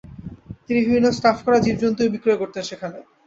তিনি বিভিন স্টাফ করা জীবজন্তুও বিক্রয় করতেন সেখানে।